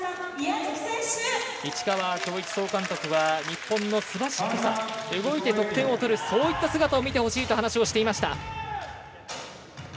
市川総監督は日本のすばしっこさ動いて得点を取るそういった姿を見てほしいと話をしていました。